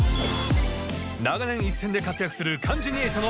長年一線で活躍する関ジャニ∞の本音トーク。